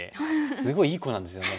すごいいい子なんですよね。